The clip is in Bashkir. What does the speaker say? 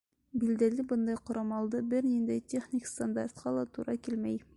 Билдәле, бындай ҡорамалдар бер ниндәй техник стандартҡа ла тура килмәй.